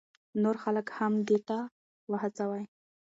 نور خلک هم دې ته وهڅوئ.